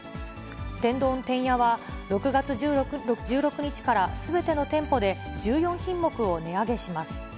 天丼てんやは、６月１６日からすべての店舗で１４品目を値上げします。